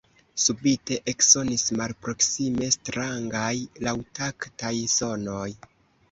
Subite eksonis malproksime strangaj laŭtaktaj sonoj.